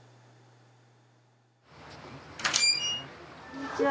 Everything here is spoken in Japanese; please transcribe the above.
・こんにちは。